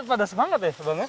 itu pada semangat ya bang